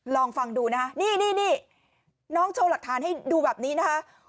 ลองฟังดูนะคะนี่น้องโชว์หลักฐานให้ดูแบบนี้นะคะ